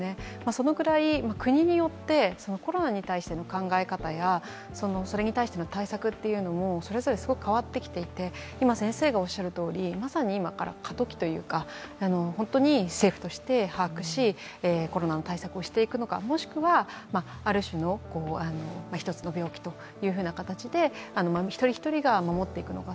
そのぐらい国によってコロナに対する考え方やそれに対しての対策も、それぞれすごく変わってきていて、まさに今から過渡期というか本当に政府として把握し、コロナの対策をしていくのか、もしくは、ある種の一つの病気というふうな形で一人一人が守っていくのか